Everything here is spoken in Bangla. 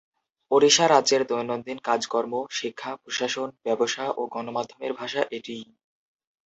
ওড়িশা রাজ্যের দৈনন্দিন কাজকর্ম, শিক্ষা, প্রশাসন, ব্যবসা ও গণমাধ্যমের ভাষা এটিই।